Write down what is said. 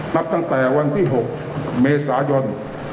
นับตั้งแต่วันที่๖เมษายน